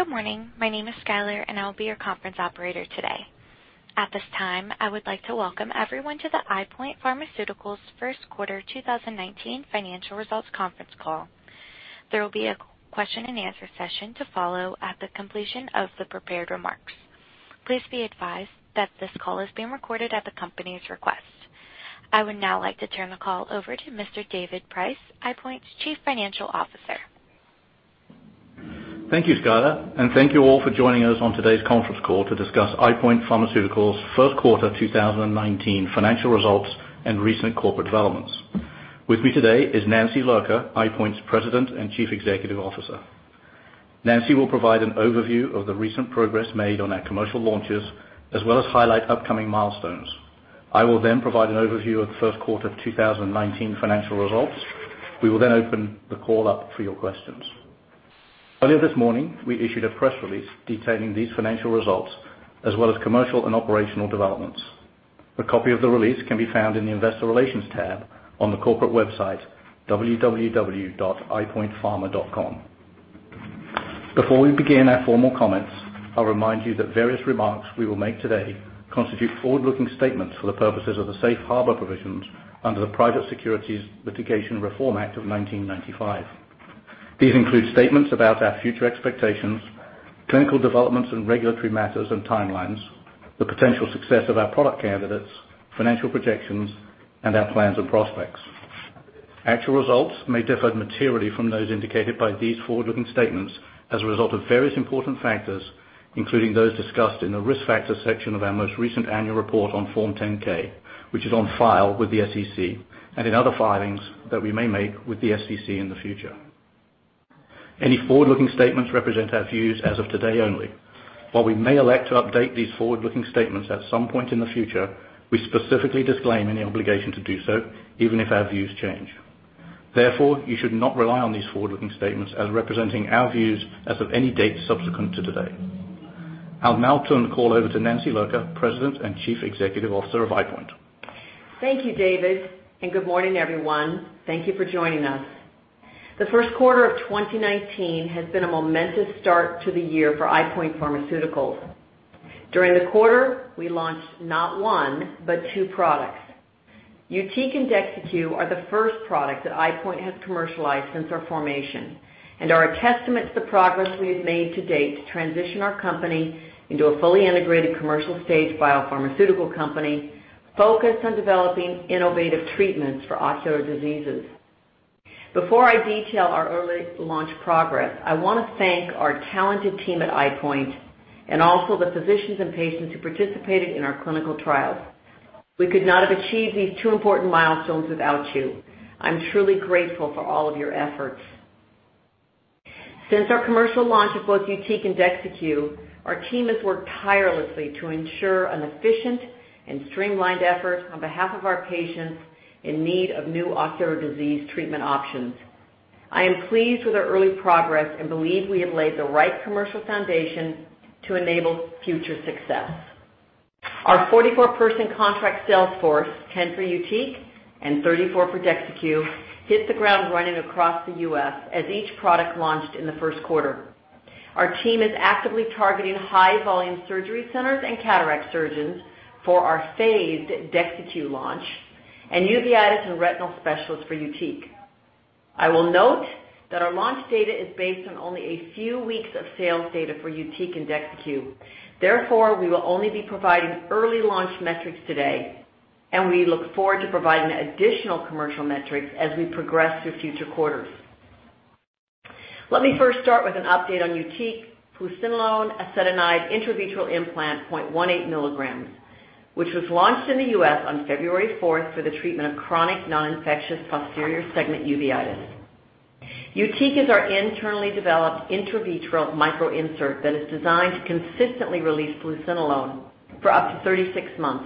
Good morning. My name is Skyler, and I'll be your conference operator today. At this time, I would like to welcome everyone to the EyePoint Pharmaceuticals First Quarter 2019 financial results conference call. There will be a question and answer session to follow at the completion of the prepared remarks. Please be advised that this call is being recorded at the company's request. I would now like to turn the call over to Mr. David Price, EyePoint's Chief Financial Officer. Thank you, Skyler, and thank you all for joining us on today's conference call to discuss EyePoint Pharmaceuticals' first quarter 2019 financial results and recent corporate developments. With me today is Nancy Lurker, EyePoint's President and Chief Executive Officer. Nancy will provide an overview of the recent progress made on our commercial launches, as well as highlight upcoming milestones. I will provide an overview of the first quarter of 2019 financial results. We will open the call up for your questions. Earlier this morning, we issued a press release detailing these financial results, as well as commercial and operational developments. A copy of the release can be found in the investor relations tab on the corporate website, www.eyepointpharma.com. Before we begin our formal comments, I'll remind you that various remarks we will make today constitute forward-looking statements for the purposes of the safe harbor provisions under the Private Securities Litigation Reform Act of 1995. These include statements about our future expectations, clinical developments, and regulatory matters and timelines, the potential success of our product candidates, financial projections, and our plans and prospects. Actual results may differ materially from those indicated by these forward-looking statements as a result of various important factors, including those discussed in the risk factor section of our most recent annual report on Form 10-K, which is on file with the SEC, and in other filings that we may make with the SEC in the future. Any forward-looking statements represent our views as of today only. While we may elect to update these forward-looking statements at some point in the future, we specifically disclaim any obligation to do so, even if our views change. Therefore, you should not rely on these forward-looking statements as representing our views as of any date subsequent to today. I'll now turn the call over to Nancy Lurker, President and Chief Executive Officer of EyePoint. Thank you, David, and good morning, everyone. Thank you for joining us. The first quarter of 2019 has been a momentous start to the year for EyePoint Pharmaceuticals. During the quarter, we launched not one, but two products. YUTIQ and DEXYCU are the first products that EyePoint has commercialized since our formation and are a testament to the progress we have made to date to transition our company into a fully integrated commercial-stage biopharmaceutical company focused on developing innovative treatments for ocular diseases. Before I detail our early launch progress, I want to thank our talented team at EyePoint and also the physicians and patients who participated in our clinical trials. We could not have achieved these two important milestones without you. I'm truly grateful for all of your efforts. Since our commercial launch of both YUTIQ and DEXYCU, our team has worked tirelessly to ensure an efficient and streamlined effort on behalf of our patients in need of new ocular disease treatment options. I am pleased with our early progress and believe we have laid the right commercial foundation to enable future success. Our 44-person contract sales force, 10 for YUTIQ and 34 for DEXYCU, hit the ground running across the U.S. as each product launched in the first quarter. Our team is actively targeting high-volume surgery centers and cataract surgeons for our phased DEXYCU launch and uveitis and retinal specialists for YUTIQ. I will note that our launch data is based on only a few weeks of sales data for YUTIQ and DEXYCU. We will only be providing early launch metrics today, and we look forward to providing additional commercial metrics as we progress through future quarters. Let me first start with an update on YUTIQ, fluocinolone acetonide intravitreal implant 0.18 milligrams, which was launched in the U.S. on February 4th for the treatment of chronic non-infectious posterior segment uveitis. YUTIQ is our internally developed intravitreal micro insert that is designed to consistently release fluocinolone for up to 36 months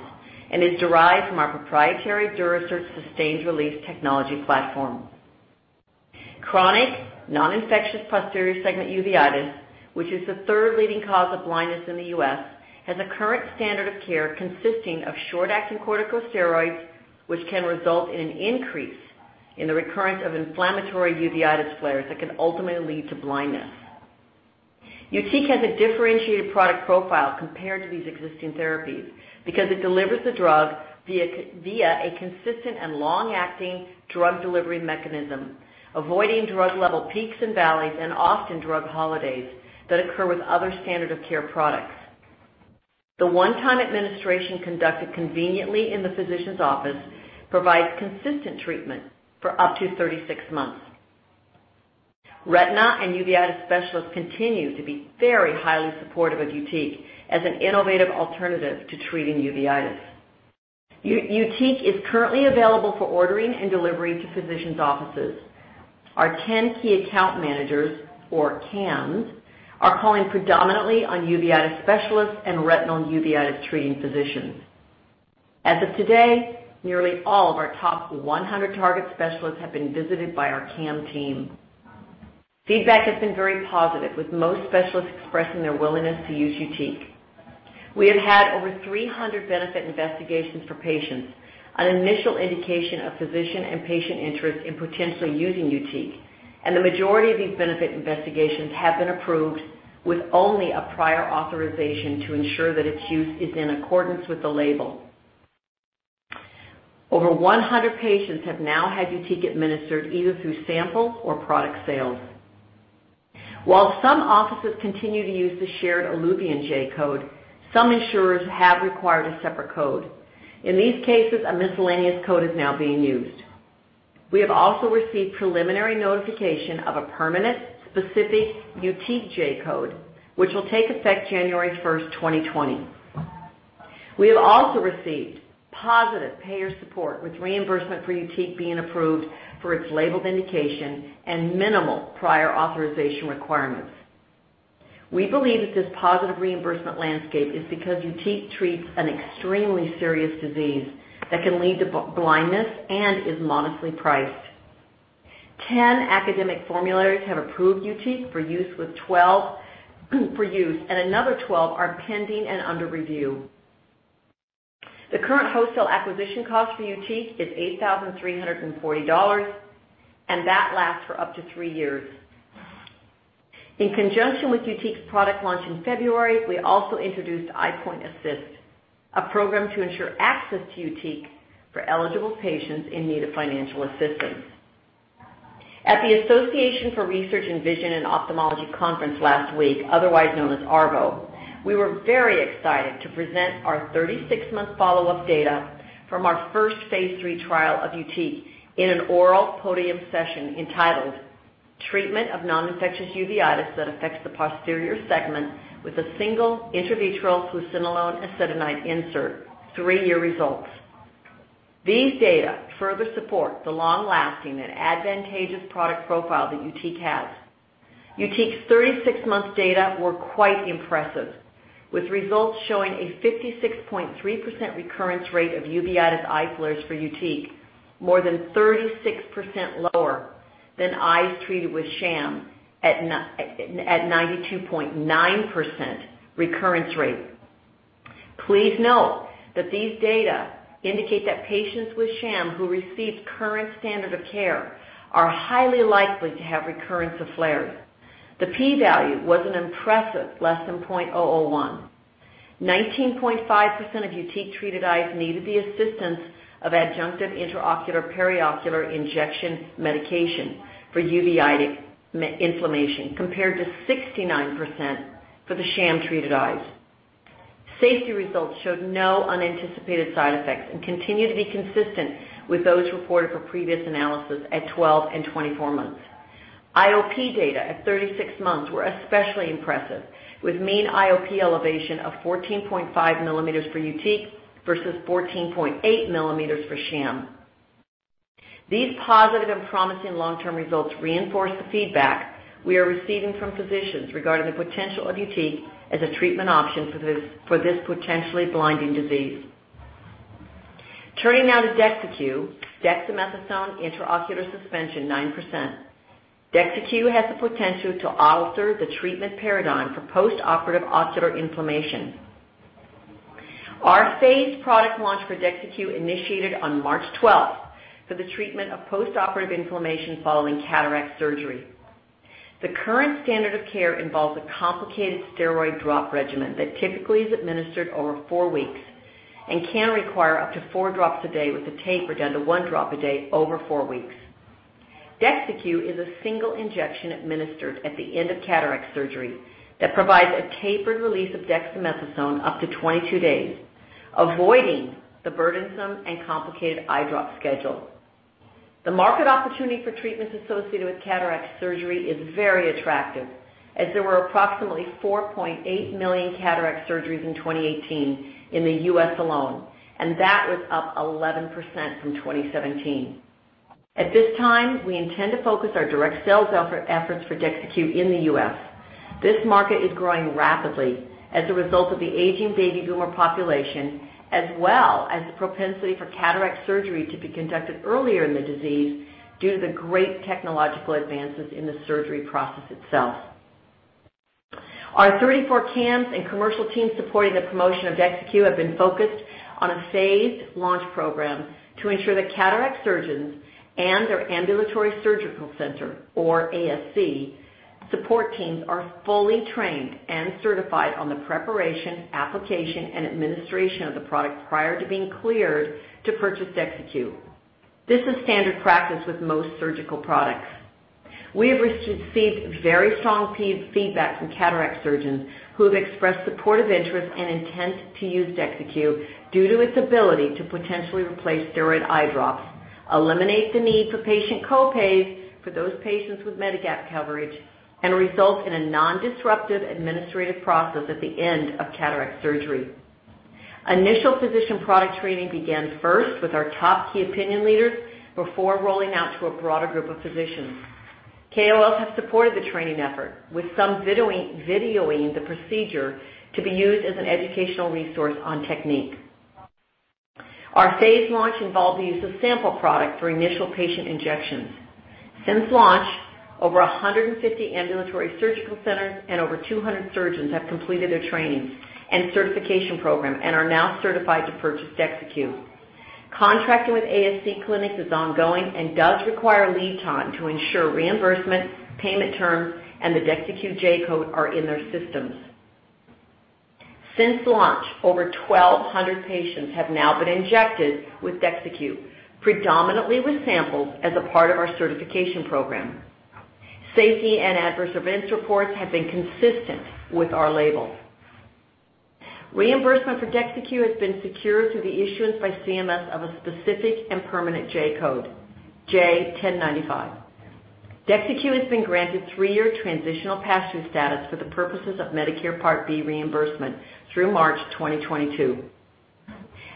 and is derived from our proprietary DuraSert sustained release technology platform. Chronic non-infectious posterior segment uveitis, which is the third leading cause of blindness in the U.S., has a current standard of care consisting of short-acting corticosteroids, which can result in an increase in the recurrence of inflammatory uveitis flares that can ultimately lead to blindness. YUTIQ has a differentiated product profile compared to these existing therapies because it delivers the drug via a consistent and long-acting drug delivery mechanism, avoiding drug level peaks and valleys and often drug holidays that occur with other standard of care products. The one-time administration, conducted conveniently in the physician's office, provides consistent treatment for up to 36 months. Retina and uveitis specialists continue to be very highly supportive of YUTIQ as an innovative alternative to treating uveitis. YUTIQ is currently available for ordering and delivery to physicians' offices. Our 10 key account managers, or KAMs, are calling predominantly on uveitis specialists and retinal and uveitis treating physicians. As of today, nearly all of our top 100 target specialists have been visited by our KAM team. Feedback has been very positive, with most specialists expressing their willingness to use YUTIQ. We have had over 300 benefit investigations for patients, an initial indication of physician and patient interest in potentially using YUTIQ. The majority of these benefit investigations have been approved with only a prior authorization to ensure that its use is in accordance with the label. Over 100 patients have now had YUTIQ administered either through sample or product sales. While some offices continue to use the shared ILUVIEN J-code, some insurers have required a separate code. In these cases, a miscellaneous code is now being used. We have also received preliminary notification of a permanent specific YUTIQ J-code, which will take effect January 1st, 2020. We have also received positive payer support with reimbursement for YUTIQ being approved for its labeled indication and minimal prior authorization requirements. We believe that this positive reimbursement landscape is because YUTIQ treats an extremely serious disease that can lead to blindness and is modestly priced. 10 academic formularies have approved YUTIQ for use, and another 12 are pending and under review. The current wholesale acquisition cost for YUTIQ is $8,340, and that lasts for up to three years. In conjunction with YUTIQ's product launch in February, we also introduced EyePoint Assist, a program to ensure access to YUTIQ for eligible patients in need of financial assistance. At the Association for Research in Vision and Ophthalmology conference last week, otherwise known as ARVO, we were very excited to present our 36-month follow-up data from our first phase III trial of YUTIQ in an oral podium session entitled, "Treatment of Non-Infectious Uveitis that Affects the Posterior Segment with a Single Intravitreal fluocinolone acetonide Insert: Three-Year Results." These data further support the long-lasting and advantageous product profile that YUTIQ has. YUTIQ's 36-month data were quite impressive, with results showing a 56.3% recurrence rate of uveitis eye flares for YUTIQ, more than 36% lower than eyes treated with sham at 92.9% recurrence rate. Please note that these data indicate that patients with sham who received current standard of care are highly likely to have recurrence of flares. The p-value was an impressive less than 0.001. 19.5% of YUTIQ-treated eyes needed the assistance of adjunctive intraocular/periocular injection medication for uveitic inflammation, compared to 69% for the sham-treated eyes. Safety results showed no unanticipated side effects and continue to be consistent with those reported for previous analysis at 12 and 24 months. IOP data at 36 months were especially impressive, with mean IOP elevation of 14.5 millimeters for YUTIQ versus 14.8 millimeters for sham. These positive and promising long-term results reinforce the feedback we are receiving from physicians regarding the potential of YUTIQ as a treatment option for this potentially blinding disease. Turning now to DEXYCU, dexamethasone intraocular suspension 9%. DEXYCU has the potential to alter the treatment paradigm for postoperative ocular inflammation. Our phased product launch for DEXYCU initiated on March 12th for the treatment of postoperative inflammation following cataract surgery. The current standard of care involves a complicated steroid drop regimen that typically is administered over 4 weeks and can require up to 4 drops a day with a taper down to one drop a day over 4 weeks. DEXYCU is a single injection administered at the end of cataract surgery that provides a tapered release of dexamethasone up to 22 days, avoiding the burdensome and complicated eye drop schedule. The market opportunity for treatments associated with cataract surgery is very attractive as there were approximately $4.8 million cataract surgeries in 2018 in the U.S. alone, and that was up 11% from 2017. At this time, we intend to focus our direct sales efforts for DEXYCU in the U.S. This market is growing rapidly as a result of the aging baby boomer population as well as the propensity for cataract surgery to be conducted earlier in the disease due to the great technological advances in the surgery process itself. Our 34 KAMs and commercial teams supporting the promotion of DEXYCU have been focused on a phased launch program to ensure that cataract surgeons and their ambulatory surgical center or ASC support teams are fully trained and certified on the preparation, application, and administration of the product prior to being cleared to purchase DEXYCU. This is standard practice with most surgical products. We have received very strong feedback from cataract surgeons who have expressed supportive interest and intent to use DEXYCU due to its ability to potentially replace steroid eye drops, eliminate the need for patient co-pays for those patients with Medigap coverage, and result in a non-disruptive administrative process at the end of cataract surgery. Initial physician product training began first with our top key opinion leaders before rolling out to a broader group of physicians. KOLs have supported the training effort with some videoing the procedure to be used as an educational resource on technique. Our phase launch involved the use of sample product for initial patient injections. Since launch, over 150 ambulatory surgical centers and over 200 surgeons have completed their training and certification program and are now certified to purchase DEXYCU. Contracting with ASC clinics is ongoing and does require lead time to ensure reimbursement, payment terms, and the DEXYCU J-code are in their systems. Since launch, over 1,200 patients have now been injected with DEXYCU, predominantly with samples as a part of our certification program. Safety and adverse events reports have been consistent with our label. Reimbursement for DEXYCU has been secured through the issuance by CMS of a specific and permanent J-code, J1095. DEXYCU has been granted 3-year transitional pass-through status for the purposes of Medicare Part B reimbursement through March 2022.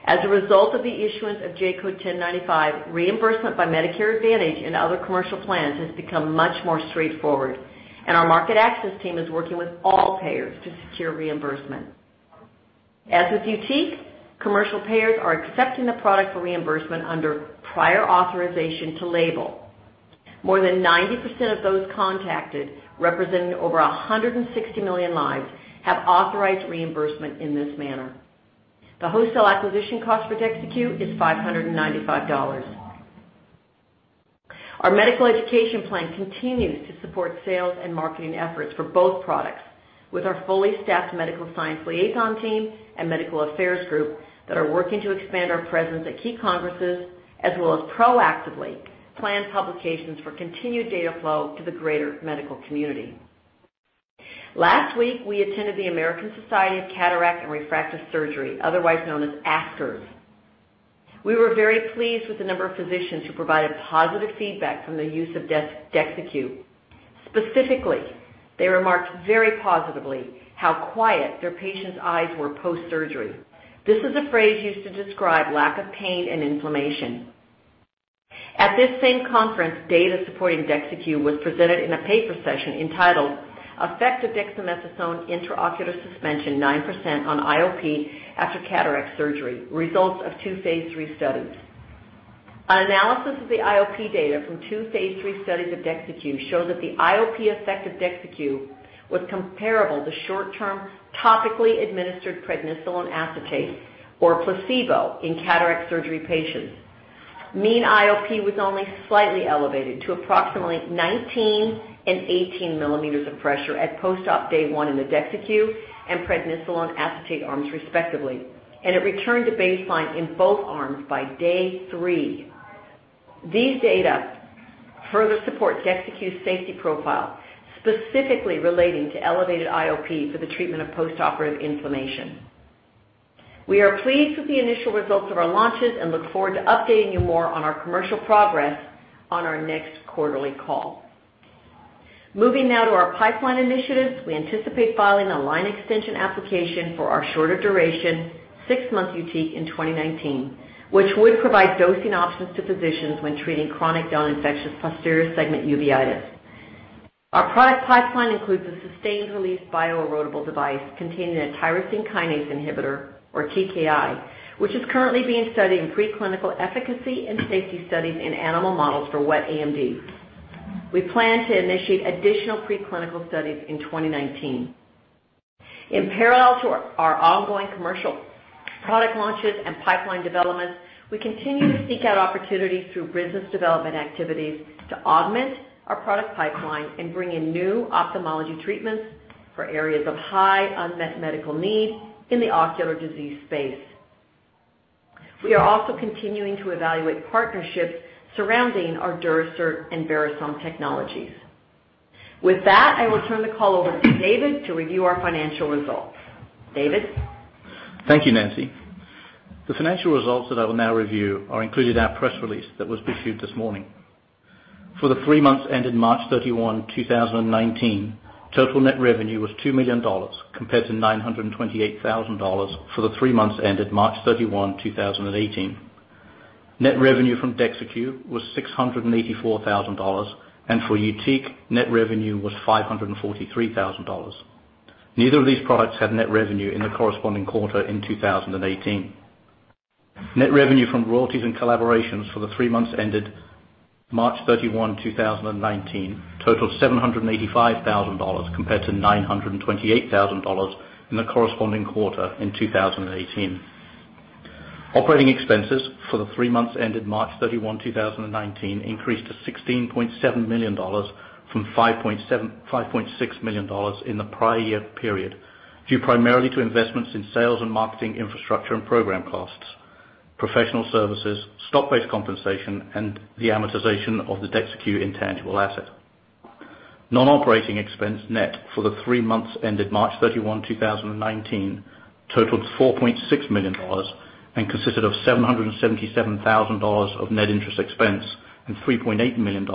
As a result of the issuance of J-code 1095, reimbursement by Medicare Advantage and other commercial plans has become much more straightforward, and our market access team is working with all payers to secure reimbursement. As with YUTIQ, commercial payers are accepting the product for reimbursement under prior authorization to label. More than 90% of those contacted, representing over 160 million lives, have authorized reimbursement in this manner. The wholesale acquisition cost for DEXYCU is $595. Our medical education plan continues to support sales and marketing efforts for both products with our fully staffed medical science liaison team and medical affairs group that are working to expand our presence at key congresses, as well as proactively plan publications for continued data flow to the greater medical community. Last week, we attended the American Society of Cataract and Refractive Surgery, otherwise known as ASCRS. We were very pleased with the number of physicians who provided positive feedback from the use of DEXYCU. Specifically, they remarked very positively how quiet their patients' eyes were post-surgery. This is a phrase used to describe lack of pain and inflammation. At this same conference, data supporting DEXYCU was presented in a paper session entitled "Effect of dexamethasone intraocular suspension 9% on IOP after Cataract Surgery: Results of two phase III Studies." An analysis of the IOP data from two phase III studies of DEXYCU show that the IOP effect of DEXYCU was comparable to short-term topically administered prednisolone acetate or placebo in cataract surgery patients. Mean IOP was only slightly elevated to approximately 19 and 18 millimeters of pressure at post-op day one in the DEXYCU and prednisolone acetate arms respectively, and it returned to baseline in both arms by day three. These data further support DEXYCU's safety profile, specifically relating to elevated IOP for the treatment of postoperative inflammation. We are pleased with the initial results of our launches and look forward to updating you more on our commercial progress on our next quarterly call. Moving now to our pipeline initiatives. We anticipate filing a line extension application for our shorter duration six-month YUTIQ in 2019, which would provide dosing options to physicians when treating chronic non-infectious posterior segment uveitis. Our product pipeline includes a sustained-release bio-erodible device containing a tyrosine kinase inhibitor, or TKI, which is currently being studied in preclinical efficacy and safety studies in animal models for wet AMD. We plan to initiate additional preclinical studies in 2019. In parallel to our ongoing commercial product launches and pipeline developments, we continue to seek out opportunities through business development activities to augment our product pipeline and bring in new ophthalmology treatments for areas of high unmet medical need in the ocular disease space. We are also continuing to evaluate partnerships surrounding our DuraSert and Verisome technologies. With that, I will turn the call over to David to review our financial results. David? Thank you, Nancy. The financial results that I will now review are included in our press release that was issued this morning. For the three months ended March 31, 2019, total net revenue was $2 million, compared to $928,000 for the three months ended March 31, 2018. Net revenue from DEXYCU was $684,000, and for YUTIQ, net revenue was $543,000. Neither of these products had net revenue in the corresponding quarter in 2018. Net revenue from royalties and collaborations for the three months ended March 31, 2019 totaled $785,000, compared to $928,000 in the corresponding quarter in 2018. Operating expenses for the three months ended March 31, 2019 increased to $16.7 million from $5.6 million in the prior year period, due primarily to investments in sales and marketing infrastructure and program costs, professional services, stock-based compensation, and the amortization of the DEXYCU intangible asset. Non-operating expense net for the three months ended March 31, 2019 totaled $4.6 million and consisted of $777,000 of net interest expense and $3.8 million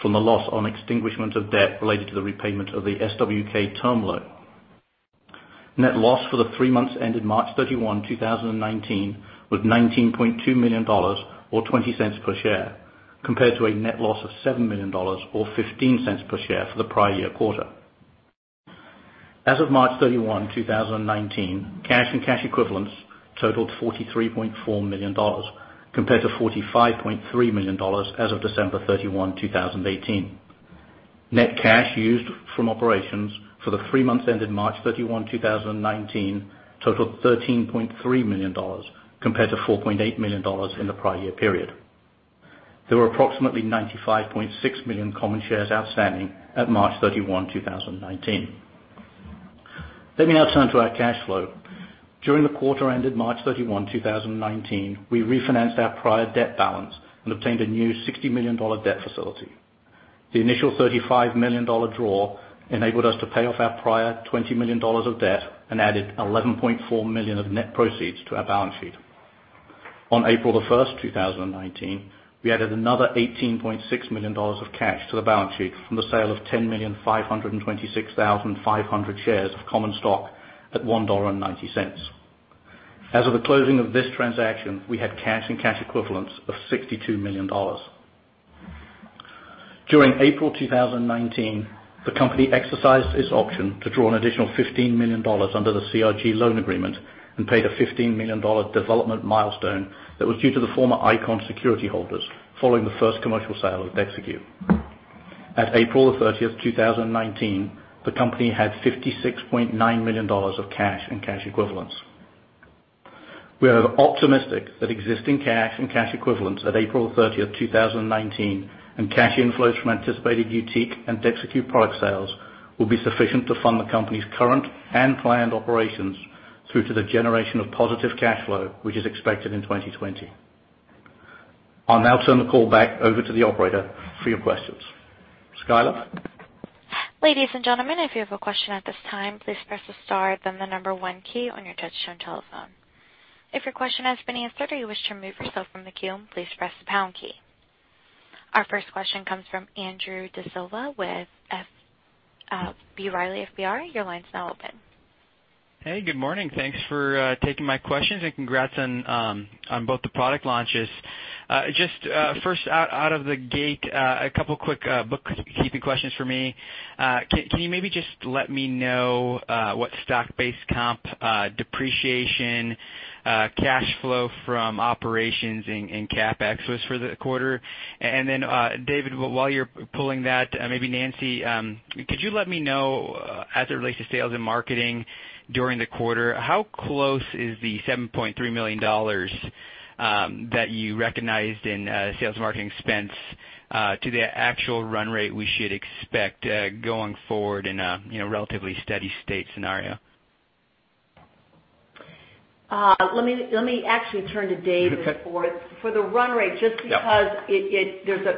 from the loss on extinguishment of debt related to the repayment of the SWK term loan. Net loss for the three months ended March 31, 2019 was $19.2 million or $0.20 per share, compared to a net loss of $7 million or $0.15 per share for the prior year quarter. As of March 31, 2019, cash and cash equivalents totaled $43.4 million, compared to $45.3 million as of December 31, 2018. Net cash used from operations for the three months ended March 31, 2019, totaled $13.3 million, compared to $4.8 million in the prior year period. There were approximately 95.6 million common shares outstanding at March 31, 2019. Let me now turn to our cash flow. During the quarter ended March 31, 2019, we refinanced our prior debt balance and obtained a new $60 million debt facility. The initial $35 million draw enabled us to pay off our prior $20 million of debt and added $11.4 million of net proceeds to our balance sheet. On April 1, 2019, we added another $18.6 million of cash to the balance sheet from the sale of 10,526,500 shares of common stock at $1.90. As of the closing of this transaction, we had cash and cash equivalents of $62 million. During April 2019, the company exercised its option to draw an additional $15 million under the CRG loan agreement and paid a $15 million development milestone that was due to the former Icon security holders following the first commercial sale of DEXYCU. At April 30, 2019, the company had $56.9 million of cash and cash equivalents. We are optimistic that existing cash and cash equivalents at April 30, 2019, and cash inflows from anticipated YUTIQ and DEXYCU product sales will be sufficient to fund the company's current and planned operations through to the generation of positive cash flow, which is expected in 2020. I'll now turn the call back over to the operator for your questions. Skylar? Ladies and gentlemen, if you have a question at this time, please press the star, then the number one key on your touchtone telephone. If your question has been answered or you wish to remove yourself from the queue, please press the pound key. Our first question comes from Andrew D'Silva with B. Riley FBR. Your line's now open. Good morning. Thanks for taking my questions and congrats on both the product launches. Just first out of the gate, a couple quick bookkeeping questions from me. Can you maybe just let me know what stock-based comp, depreciation, cash flow from operations, and CapEx was for the quarter? Then, David, while you're pulling that, maybe Nancy, could you let me know, as it relates to sales and marketing during the quarter, how close is the $7.3 million that you recognized in sales marketing expense to the actual run rate we should expect going forward in a relatively steady state scenario? Let me actually turn to David for it. For the run rate, just because. Yeah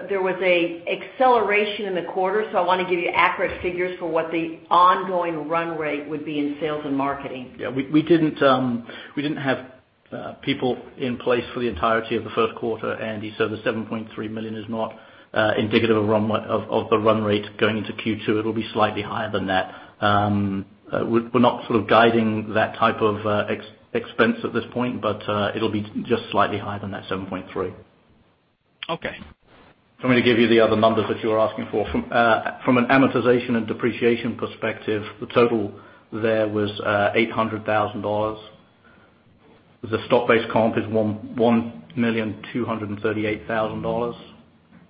There was an acceleration in the quarter, so I want to give you accurate figures for what the ongoing run rate would be in sales and marketing. Yeah. We didn't have people in place for the entirety of the first quarter, Andy, so the $7.3 million is not indicative of the run rate going into Q2. It'll be slightly higher than that. We're not sort of guiding that type of expense at this point, but it'll be just slightly higher than that $7.3. Okay. Let me give you the other numbers that you were asking for. From an amortization and depreciation perspective, the total there was $800,000. The stock-based comp is $1,238,000.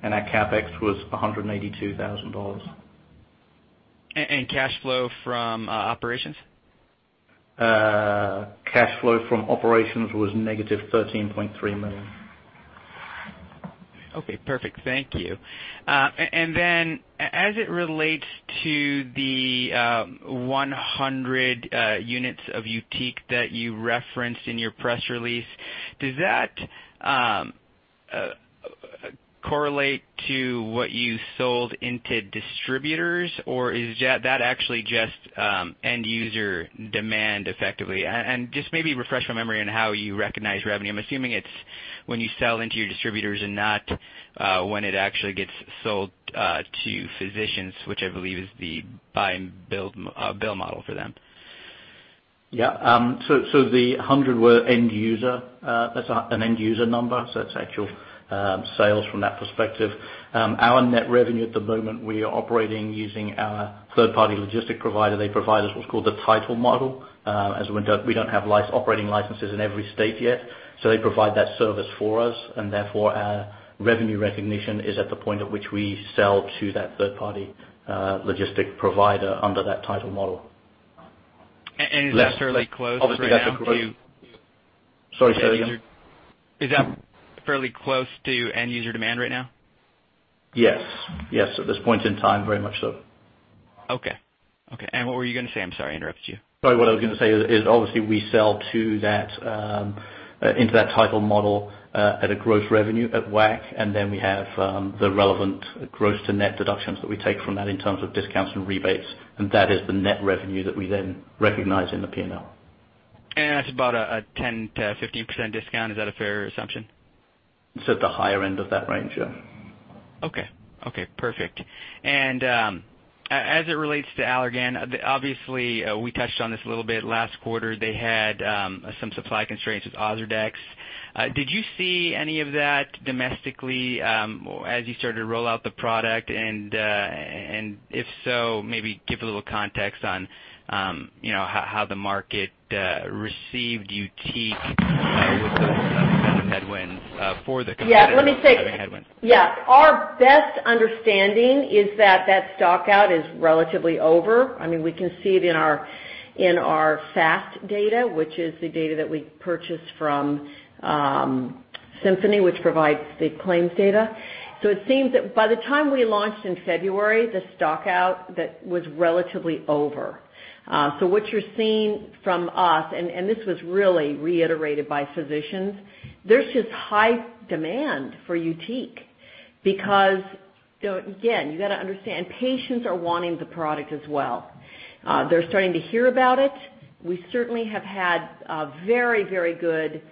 Our CapEx was $182,000. Cash flow from operations? Cash flow from operations was negative $13.3 million. Okay, perfect. Thank you. As it relates to the 100 units of YUTIQ that you referenced in your press release, does that correlate to what you sold into distributors, or is that actually just end user demand effectively? Just maybe refresh my memory on how you recognize revenue. I'm assuming it's when you sell into your distributors and not when it actually gets sold to physicians, which I believe is the buy and bill model for them. Yeah. The 100 were end user. That's an end user number, so that's actual sales from that perspective. Our net revenue at the moment, we are operating using our third-party logistic provider. They provide us what's called the title model, as we don't have operating licenses in every state yet. They provide that service for us, and therefore, our revenue recognition is at the point at which we sell to that third party logistic provider under that title model. Is that fairly close right now to- Sorry, say that again. Is that fairly close to end user demand right now? Yes. At this point in time, very much so. Okay. What were you going to say? I'm sorry, I interrupted you. Sorry, what I was going to say is obviously we sell into that title model at a gross revenue at WAC, and then we have the relevant gross to net deductions that we take from that in terms of discounts and rebates, and that is the net revenue that we then recognize in the P&L. That's about a 10%-15% discount. Is that a fair assumption? It's at the higher end of that range, yeah. Okay. Perfect. As it relates to Allergan, obviously we touched on this a little bit last quarter, they had some supply constraints with OZURDEX. Did you see any of that domestically as you started to roll out the product? If so, maybe give a little context on how the market received YUTIQ with those kind of headwinds for the competitors having headwinds. Yeah. Our best understanding is that that stock-out is relatively over. We can see it in our fast data, which is the data that we purchase from Symphony Health, which provides the claims data. It seems that by the time we launched in February, the stock-out that was relatively over. What you're seeing from us, and this was really reiterated by physicians, there's just high demand for YUTIQ because, again, you got to understand, patients are wanting the product as well. They're starting to hear about it. We certainly have had very good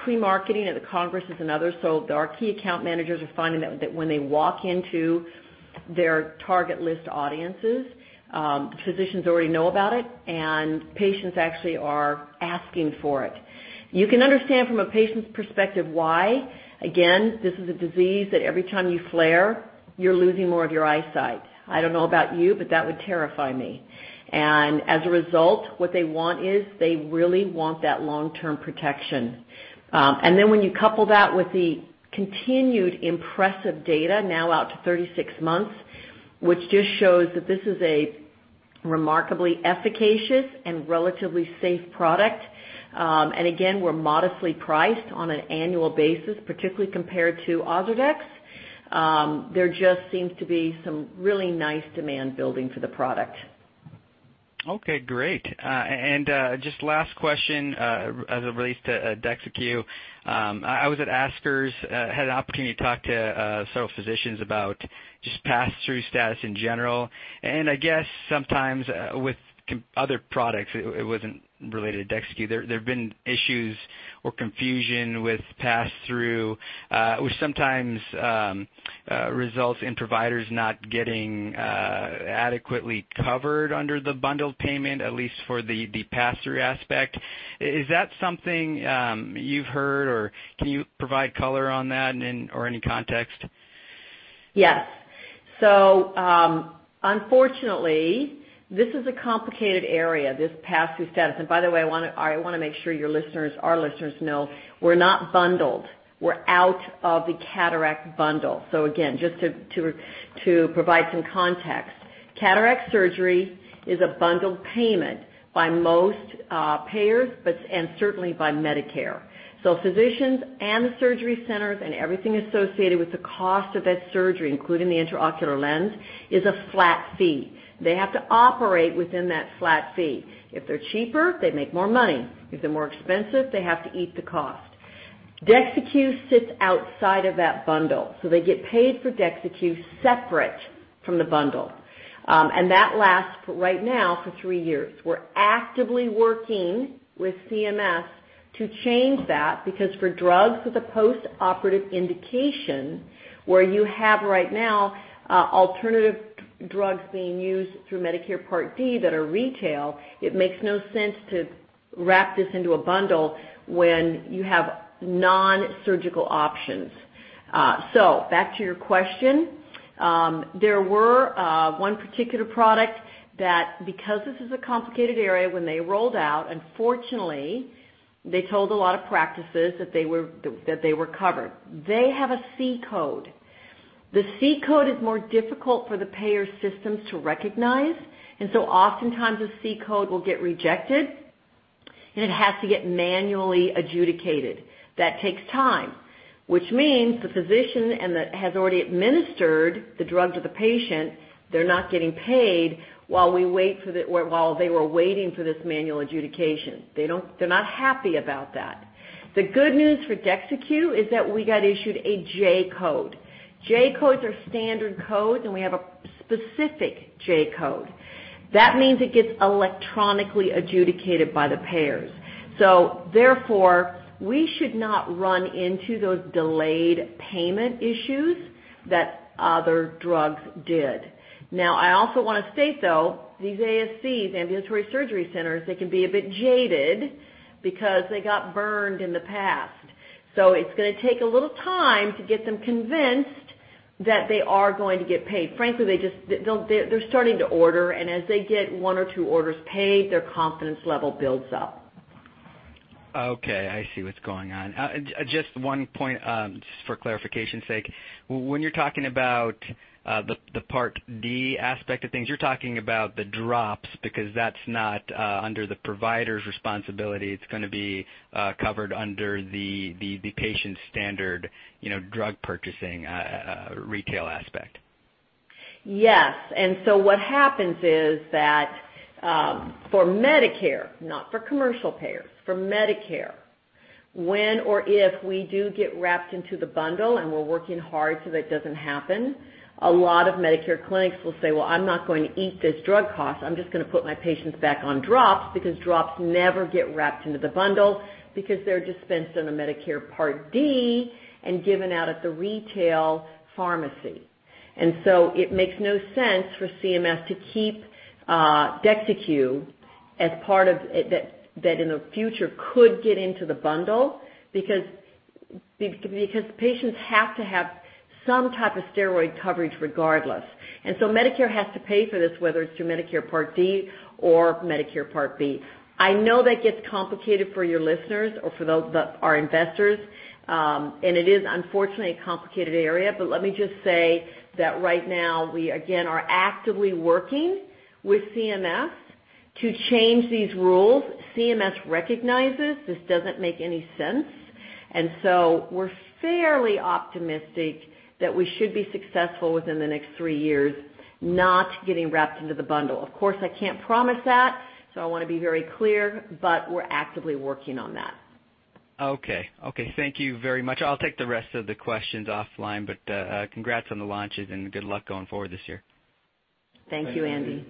pre-marketing at the congresses and others. Our key account managers are finding that when they walk into their target list audiences, physicians already know about it, and patients actually are asking for it. You can understand from a patient's perspective why. Again, this is a disease that every time you flare, you're losing more of your eyesight. I don't know about you, but that would terrify me. As a result, what they want is, they really want that long-term protection. Then when you couple that with the continued impressive data now out to 36 months, which just shows that this is a remarkably efficacious and relatively safe product. Again, we're modestly priced on an annual basis, particularly compared to OZURDEX. There just seems to be some really nice demand building for the product. Okay, great. Just last question as it relates to DEXYCU. I was at ASCRS, had an opportunity to talk to several physicians about just pass-through status in general. I guess sometimes with other products, it wasn't related to DEXYCU, there have been issues or confusion with pass-through, which sometimes results in providers not getting adequately covered under the bundled payment, at least for the pass-through aspect. Is that something you've heard, or can you provide color on that or any context? Yes. So, unfortunately, this is a complicated area, this pass-through status. By the way, I want to make sure our listeners know we're not bundled. We're out of the cataract bundle. Again, just to provide some context. Cataract surgery is a bundled payment by most payers and certainly by Medicare. So physicians and the surgery centers and everything associated with the cost of that surgery, including the intraocular lens, is a flat fee. They have to operate within that flat fee. If they're cheaper, they make more money. If they're more expensive, they have to eat the cost. DEXYCU sits outside of that bundle. So they get paid for DEXYCU separate from the bundle. That lasts right now for three years. We're actively working with CMS to change that because for drugs with a postoperative indication where you have right now alternative drugs being used through Medicare Part D that are retail, it makes no sense to wrap this into a bundle when you have non-surgical options. So back to your question. There were one particular product that, because this is a complicated area when they rolled out, unfortunately, they told a lot of practices that they were covered. They have a C-code. The C-code is more difficult for the payer systems to recognize, and so oftentimes a C-code will get rejected and it has to get manually adjudicated. That takes time, which means the physician has already administered the drug to the patient. They're not getting paid while they were waiting for this manual adjudication. They're not happy about that. The good news for DEXYCU is that we got issued a J-code. J-codes are standard codes and we have a specific J-code. That means it gets electronically adjudicated by the payers. Therefore, we should not run into those delayed payment issues that other drugs did. Now I also want to state though, these ASCs, ambulatory surgery centers, they can be a bit jaded because they got burned in the past. So it's going to take a little time to get them convinced that they are going to get paid. Frankly, they're starting to order and as they get one or two orders paid, their confidence level builds up. Okay, I see what's going on. Just one point, just for clarification's sake. When you're talking about the Medicare Part D aspect of things, you're talking about the drops because that's not under the provider's responsibility. It's going to be covered under the patient's standard drug purchasing retail aspect. Yes. What happens is that for Medicare, not for commercial payers, for Medicare, when or if we do get wrapped into the bundle and we're working hard so that doesn't happen, a lot of Medicare clinics will say, "Well, I'm not going to eat this drug cost. I'm just going to put my patients back on drops," because drops never get wrapped into the bundle because they're dispensed in a Medicare Part D and given out at the retail pharmacy. It makes no sense for CMS to keep DEXYCU that in the future could get into the bundle, because patients have to have some type of steroid coverage regardless. Medicare has to pay for this, whether it's through Medicare Part D or Medicare Part B. I know that gets complicated for your listeners or for our investors. It is unfortunately a complicated area, but let me just say that right now, we again are actively working with CMS to change these rules. CMS recognizes this doesn't make any sense, we're fairly optimistic that we should be successful within the next three years, not getting wrapped into the bundle. Of course, I can't promise that, so I want to be very clear, but we're actively working on that. Okay. Thank you very much. I'll take the rest of the questions offline, but congrats on the launches and good luck going forward this year. Thank you, Andy.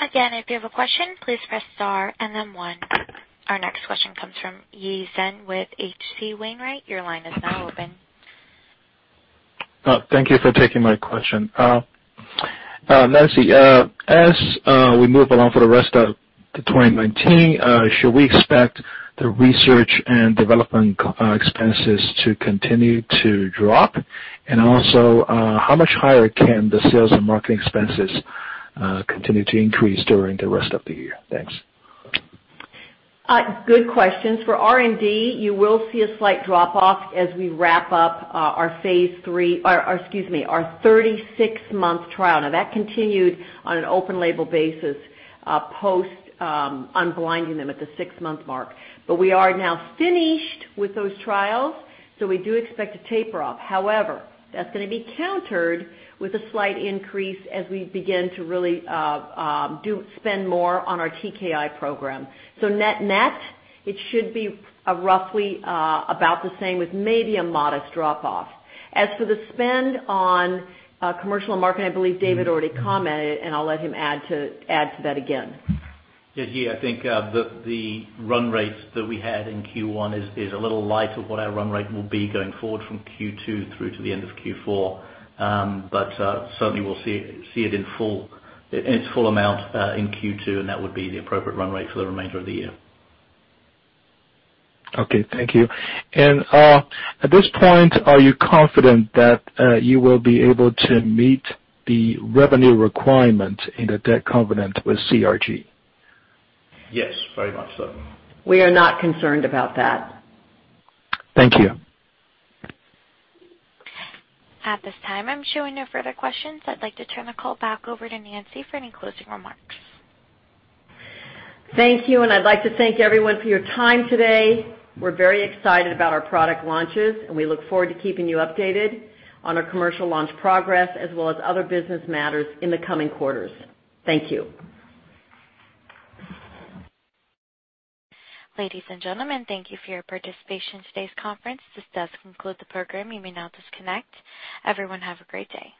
If you have a question, please press star and then one. Our next question comes from Yi Chen with H.C. Wainwright. Your line is now open. Thank you for taking my question. Nancy, as we move along for the rest of 2019, should we expect the research and development expenses to continue to drop? Also, how much higher can the sales and marketing expenses continue to increase during the rest of the year? Thanks. Good questions. For R&D, you will see a slight drop-off as we wrap up our 36-month trial. That continued on an open label basis, post unblinding them at the six-month mark. We are now finished with those trials, so we do expect to taper off. However, that's going to be countered with a slight increase as we begin to really spend more on our TKI program. Net, it should be roughly about the same with maybe a modest drop-off. As for the spend on commercial and marketing, I believe David already commented, I'll let him add to that again. Yeah, Yi, I think the run rate that we had in Q1 is a little light of what our run rate will be going forward from Q2 through to the end of Q4. Certainly we'll see it in its full amount in Q2, and that would be the appropriate run rate for the remainder of the year. Okay, thank you. At this point, are you confident that you will be able to meet the revenue requirement in the debt covenant with CRG? Yes, very much so. We are not concerned about that. Thank you. At this time, I'm showing no further questions. I'd like to turn the call back over to Nancy for any closing remarks. Thank you. I'd like to thank everyone for your time today. We're very excited about our product launches, and we look forward to keeping you updated on our commercial launch progress, as well as other business matters in the coming quarters. Thank you. Ladies and gentlemen, thank you for your participation in today's conference. This does conclude the program. You may now disconnect. Everyone have a great day.